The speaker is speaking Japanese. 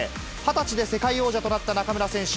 ２０歳で世界王者となった中村選手。